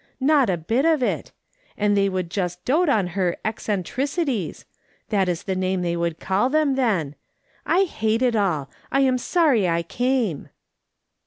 Not a bit of it ; and they would just dote on her 'eccentri cities' — that is the name they would call them, then ; I hate it all ; I am sorry I came."